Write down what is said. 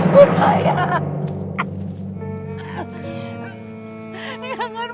permingkatu masih ada di hatiku gitu